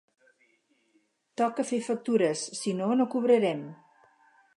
Toca fer factures, sinó no cobrarem